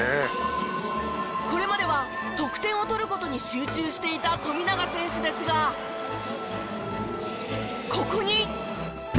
これまでは得点を取る事に集中していた富永選手ですがここに！